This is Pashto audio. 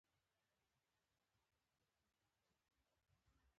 اوس دغه سیمه د اوه جوماتونوپه نوم يادېږي.